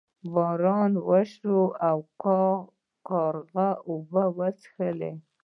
باران وشو او کارغه اوبه وڅښلې.